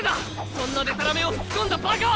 そんなデタラメを吹き込んだバカは！